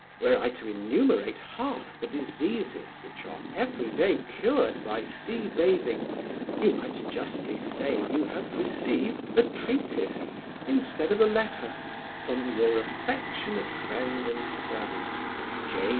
Were I to enumerate half the diseases which are every day cured by sea bathing, you might justly say you had received a treatise, instead of a letter, from Your affectionate friend and servant, J.